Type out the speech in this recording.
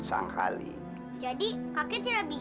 sanghali jadi kakek tidak bisa